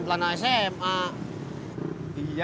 kesehatan hal without biayanya